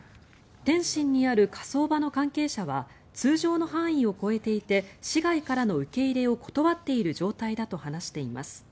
天津にある火葬場の関係者は通常の範囲を超えていて市外からの受け入れを断っている状態だと話しています。